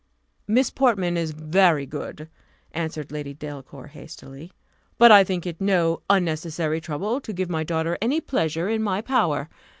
"Miss Portman is very good," answered Lady Delacour, hastily; "but I think it no unnecessary trouble to give my daughter any pleasure in my power.